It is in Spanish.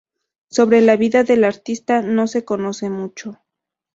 Sobre la vida del artista no se conoce mucho.